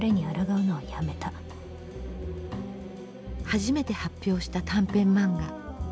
初めて発表した短編漫画。